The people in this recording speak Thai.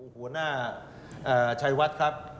หัวหน้าชัยวัดครับ